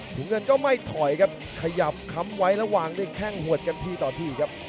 เงินก็ไม่ถอยครับขยับค้ำไว้แล้ววางด้วยแข้งหวดกันทีต่อทีครับ